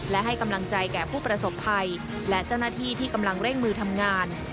และให้กำลังใจแก่ผู้ประสบภัยและเจ้าหน้าที่ที่กำลังเร่งมือทำงาน